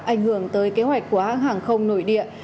ảnh hưởng tới kế hoạch của hãng hàng không nội địa